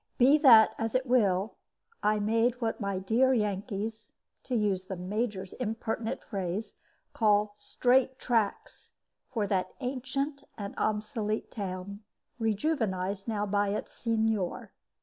Be that as it will, I made what my dear Yankees to use the Major's impertinent phrase call "straight tracks" for that ancient and obsolete town, rejuvenized now by its Signor.